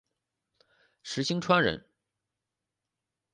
石星川人。